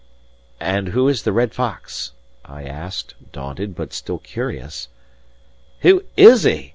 "And who is the Red Fox?" I asked, daunted, but still curious. "Who is he?"